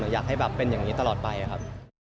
อยากให้แบบเป็นอย่างนี้ตลอดไปครับ